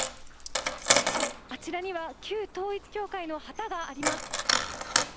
あちらには旧統一教会の旗があります。